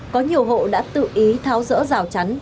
có nhiều hộ đã tự ý tháo rỡ rào chắn